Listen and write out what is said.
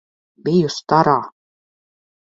Biju starā!